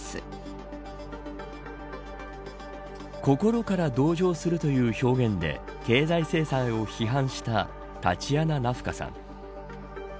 心から同情するという表現で経済制裁を批判したタチアナ・ナフカさん。